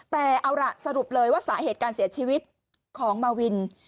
แต่เอาล่ะสรุปเลยว่าสาเหตุการเสียชีวิตของมาวิน